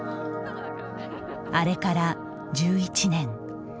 あれから１１年。